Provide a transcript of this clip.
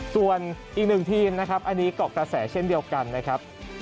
ส่วนอีกหนึ่งทีมนะครับอันนี้เกาะกระแสเช่นเดียวกันนะครับ